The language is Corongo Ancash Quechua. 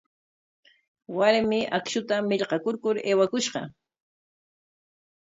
Warmi akshuta millqakurkur aywakushqa.